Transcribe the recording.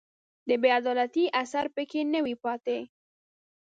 د بې عدالتۍ اثر په کې نه وي پاتې